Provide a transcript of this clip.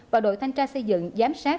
và đội thanh tra xây dựng giám sát